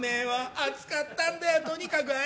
「熱かったんだよとにかく兄ぃ」。